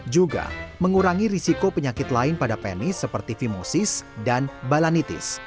juga mengurangi risiko penyakit lain pada penis seperti vimosis dan balanitis